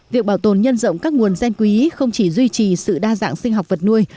việc bảo tồn nhân rộng các nguồn gen quý không chỉ duy trì sự đa dạng sinh học vật nuôi